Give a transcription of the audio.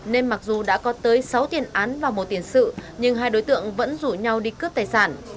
nên mặc dù đã có tới sáu tiền án và một tiền sự nhưng hai đối tượng vẫn rủ nhau đi cướp tài sản